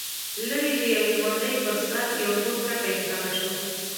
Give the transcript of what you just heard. ليرې د يوې غونډۍ پر سر يو تور ټکی ښکاره شو.